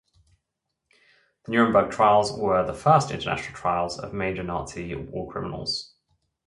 The Nuremberg Trials were the first international trials of major Nazi war criminals.